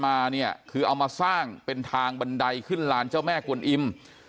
มาเนี่ยคือเอามาสร้างเป็นทางบันไดขึ้นลานเจ้าแม่กวนอิ่ม